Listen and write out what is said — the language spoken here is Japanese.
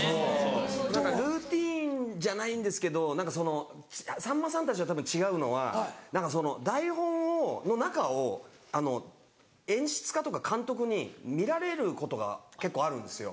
ルーティンじゃないんですけどさんまさんたちと違うのは台本の中を演出家とか監督に見られることが結構あるんですよ。